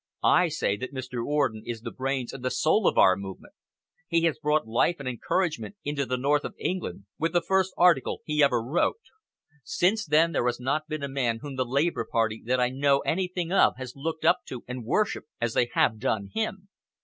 I say that Mr. Orden is the brains and the soul of our movement. He brought life and encouragement into the north of England with the first article he ever wrote. Since then there has not been a man whom the Labour Party that I know anything of has looked up to and worshipped as they have done him."